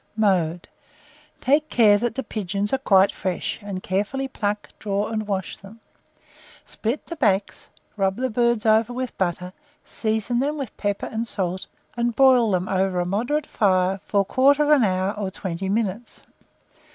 Mode. Take care that the pigeons are quite fresh, and carefully pluck, draw, and wash them; split the backs, rub the birds over with butter, season them with pepper and salt, and broil them over a moderate fire for 1/4 hour or 20 minutes.